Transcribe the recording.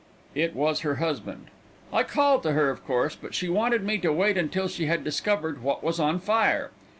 It was her husband. I called to her, of course, but she wanted me to wait until she had discovered what was on fire.